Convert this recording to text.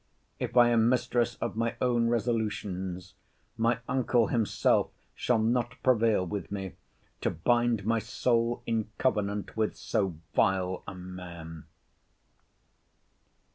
If I am mistress of my own resolutions, my uncle himself shall not prevail with me to bind my soul in covenant with so vile a man.